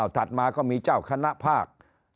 ถัดมาก็มีเจ้าคณะภาค